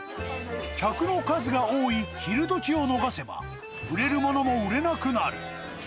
客の数が多い昼どきを逃せば、売れるものも売れなくなる。